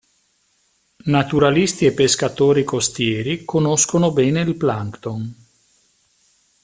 Naturalisti e pescatori costieri conoscono bene il plankton.